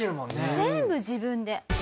全部自分で。